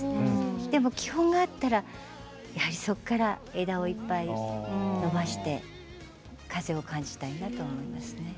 でも基本があったらそこから枝をいっぱい伸ばして風を感じたいなと思いますね。